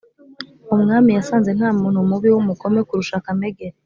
umwami yasanze nta muntu mubi (w'umugome) kurusha kamegeri.